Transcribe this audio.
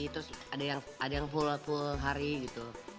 terus ada yang full full hari gitu